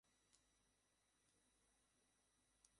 কেন গিয়েছিলেন আমার রুমে?